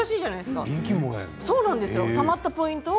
たまったポイントを。